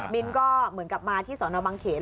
มินก็เหมือนกลับมาที่สนบังเขน